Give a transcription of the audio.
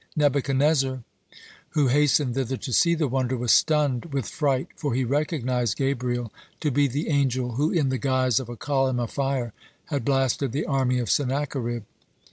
Nebuchadnezzar, who hastened thither to see the wonder, was stunned with fright, for he recognized Gabriel to be the angel who in the guise of a column of fire had blasted the army of Sennacherib.